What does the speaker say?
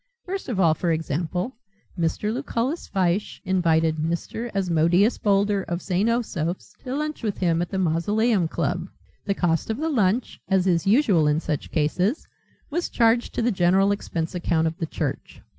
First of all, for example, Mr. Lucullus Fyshe invited Mr. Asmodeus Boulder of St. Osoph's to lunch with him at the Mausoleum Club; the cost of the lunch, as is usual in such cases, was charged to the general expense account of the church.